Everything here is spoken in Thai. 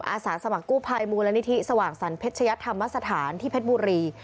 อาสาสมัครกู้ภัยมูลนิธิสว่างสรรเพชยัตธรรมสถานที่เพชรบุรี